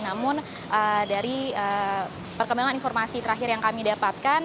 namun dari perkembangan informasi terakhir yang kami dapatkan